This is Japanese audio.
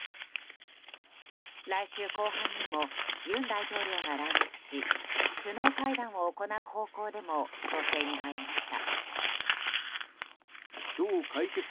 来週後半にも尹大統領が来日し首脳会談を行う方向でも調整に入りました。